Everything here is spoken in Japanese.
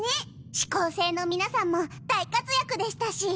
四煌星の皆さんも大活躍でしたし。